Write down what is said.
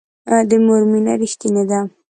د مور مینه ریښتینې ده